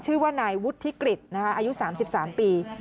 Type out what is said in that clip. ชื่อว่านายวุฒิกฤษอายุ๓๓ปี